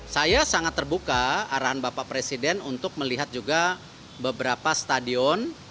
saya sangat terbuka arahan bapak presiden untuk melihat juga beberapa stadion